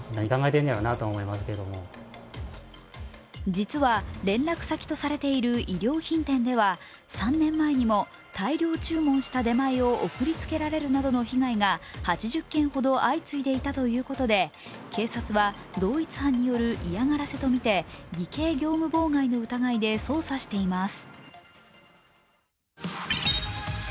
実は連絡先とされている衣料品店では３年前にも大量注文した出前を送りつけられるなどの被害が８０件ほど相次いでいたということで警察は同一犯による嫌がらせとみて偽計業務妨害の疑いで捜査しています。